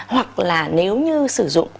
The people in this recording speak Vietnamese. hoặc là nếu như sử dụng